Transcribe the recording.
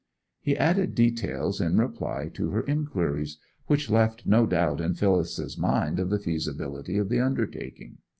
He added details in reply to her inquiries, which left no doubt in Phyllis's mind of the feasibility of the undertaking.